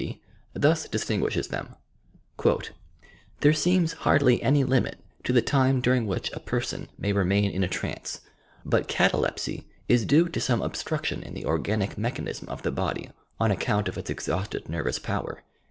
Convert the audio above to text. g., thus distinguishes them: "There seems hardly any limit to the time during which a person may remain in a 172 k TRANCE 173 trance; but catalepsy is due to some obstruction in the organic mechanism o£ the body on account of its ex hausted nervous power.